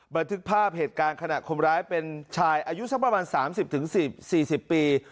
บรรทึกภาพเหตุการณ์ขนาดคมร้ายเป็นชายอายุสักประมาณสามสิบถึงสี่สี่สิบปี